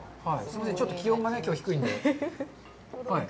ちょっと気温がきょうは低いんで。